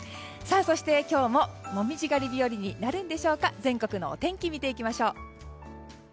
そして、今日も紅葉狩り日和になるでしょうか全国のお天気を見ていきましょう。